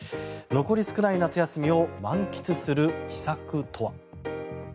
残り少ない夏休みを満喫する秘策とは。